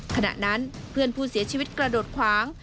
ขณะนั้นเพื่อนผู้เสียชีวิตกระโดดขวาง